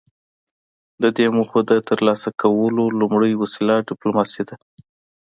د دې موخو د ترلاسه کولو لومړۍ وسیله ډیپلوماسي ده